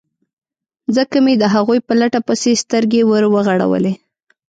ځکه مې د هغوی په لټه پسې سترګې ور وغړولې.